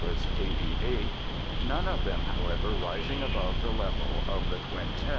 88, none of them, however, rising above the level of the Quintet.